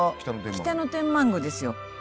北野天満宮ですよ。